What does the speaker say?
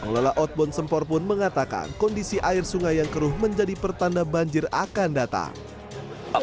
pengelola outbound sempor pun mengatakan kondisi air sungai yang keruh menjadi pertanda banjir akan datang